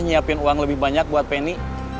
nyiapin uang lebih banyak buat penny